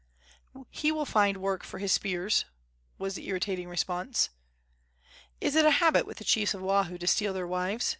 "He will find work for his spears," was the irritating response. "Is it a habit with the chiefs of Oahu to steal their wives?"